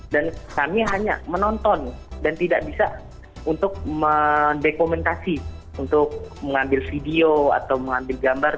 dan kami hanya menonton dan tidak bisa untuk mendekomentasi untuk mengambil video atau mengambil gambar